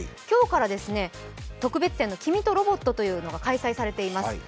今日から特別展の「きみとロボット」というのが開催されています。